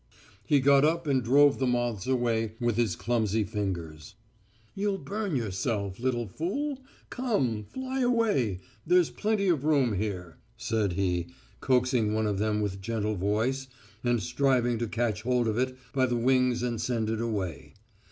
He got up and drove the moths away with his clumsy fingers. "'You'll burn yourself, little fool; come, fly away, there's plenty of room here,' said he, coaxing one of them with gentle voice, and striving to catch hold of it by the wings and send it away.